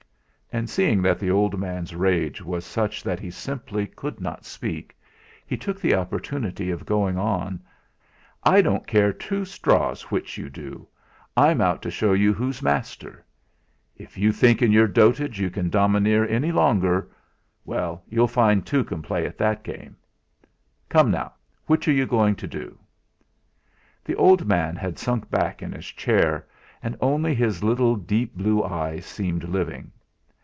And seeing that the old man's rage was such that he simply could not speak, he took the opportunity of going on: "I don't care two straws which you do I'm out to show you who's master. If you think in your dotage you can domineer any longer well, you'll find two can play at that game. Come, now, which are you going to do?" The old man had sunk back in his chair, and only his little deep blue eyes seemed living.